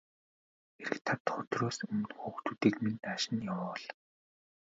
Ирэх тав дахь өдрөөс өмнө хүүхдүүдийг минь нааш нь явуул.